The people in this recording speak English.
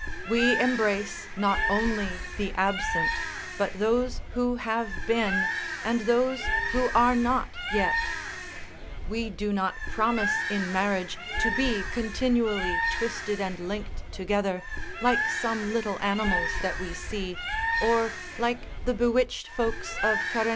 We embrace not only the absent, but those who have been, and those who are not yet. We do not promise in marriage to be continually twisted and linked together, like some little animals that we see, or, like the bewitched folks of Karenty, [Karantia, a town in the isle of Rugen.